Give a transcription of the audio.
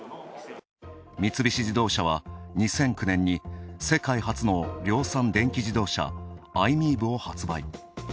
三菱自動車は２００９年に世界初の量産電気自動車、ｉ−ＭｉＥＶを発売。